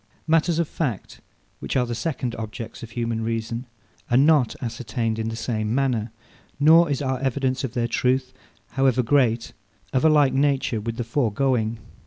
Matters of fact, which are the second objects of human reason, are not ascertained in the same manner; nor is our evidence of their truth, however great, of a like nature with the foregoing.